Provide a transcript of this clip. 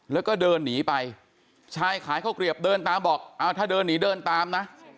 แล้วก็เดินหนีไปชายขายข้าวเกลียบเดินตามบอกอ้าวถ้าเดินหนีเดินตามนะ